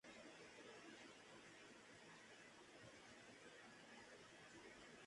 No descubrió lo que decían hasta que vio la película.